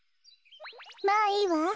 まあいいわ。